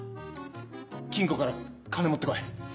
金庫から金持って来い。